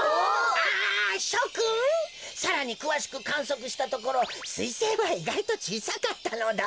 あしょくんさらにくわしくかんそくしたところすいせいはいがいとちいさかったのだ。